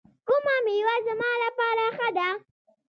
کومه میوه زما لپاره ښه ده؟